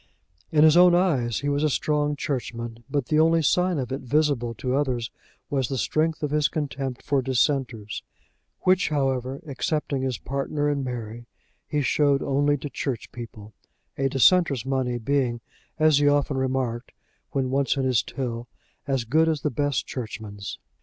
In his own eyes he was a strong churchman, but the only sign of it visible to others was the strength of his contempt for dissenters which, however, excepting his partner and Mary, he showed only to church people; a dissenter's money being, as he often remarked, when once in his till, as good as the best churchman's.